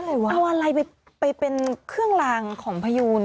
เอาอะไรไปเป็นเครื่องลางของพยูน